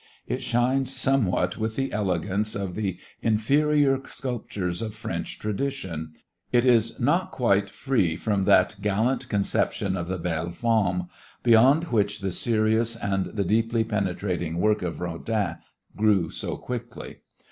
It shines somewhat with the elegance of the inferior sculptures of French tradition; it is not quite free from that gallant conception of the "belle femme" beyond which the serious and the deeply penetrating work of Rodin grew so quickly.